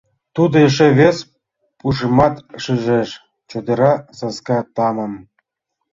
Тудо эше вес пушымат шижеш: чодыра саска тамым.